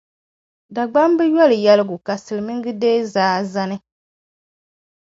Dagbamba yoli yɛligu ka Silimiiŋa deei zaa zani.